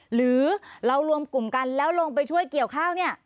หรือเรารวมกลุ่มกันแล้วลงไปช่วยเกี่ยวข้าวเนี่ย